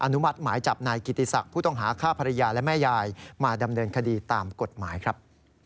นุมัติหมายจับนายกิติศักดิ์ผู้ต้องหาฆ่าภรรยาและแม่ยายมาดำเนินคดีตามกฎหมายครับ